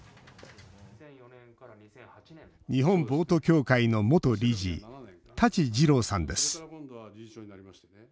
日本ボート協会の元理事舘次郎さんです。